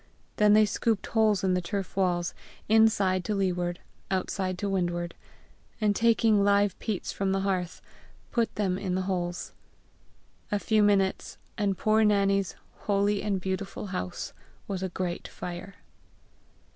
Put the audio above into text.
Then they scooped holes in the turf walls, inside to leeward, outside to windward, and taking live peats from the hearth, put them in the holes. A few minutes, and poor Nannie's "holy and beautiful house" was a great fire.